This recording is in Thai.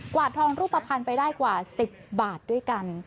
วาดทองรูปภัณฑ์ไปได้กว่า๑๐บาทด้วยกัน